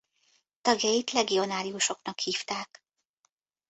Tagjait legionáriusoknak hívták.